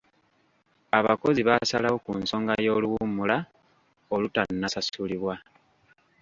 Abakozi baasalawo ku nsonga y'oluwummula olutannasasulibwa.